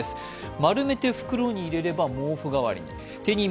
丸めて袋に入れれば毛布代わり。